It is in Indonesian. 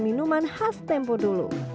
minuman khas tempo dulu